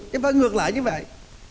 chỉ phải ngược lại như vậy